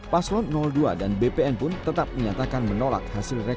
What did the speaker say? paslon dua dan bpn pun tetap menyatakan menolak hasil rekomendasi